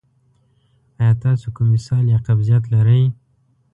ایا تاسو کوم اسهال یا قبضیت لرئ؟